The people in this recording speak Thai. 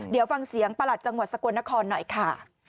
เดี๋ยวฟังเสียงประหลัดจังหวัดสกลนครหน่อยค่ะ